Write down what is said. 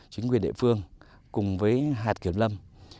chính quyền địa phương cùng với hạt kiêm lâm